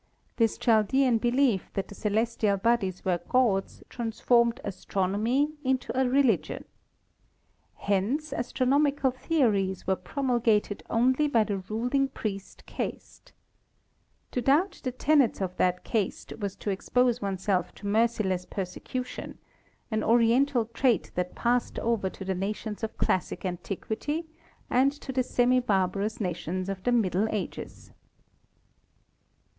This Chaldean belief that the celestial bodies were gods transformed astronomy into a religion. Hence astronomi cal theories were promulgated only by the ruling priest caste. To doubt the tenets of that caste was to expose oneself to merciless persecution, an Oriental trait that passed over to the nations of classic antiquity and to the semi barbarous nations of the Middle Ages.